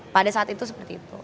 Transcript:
pada saat itu seperti itu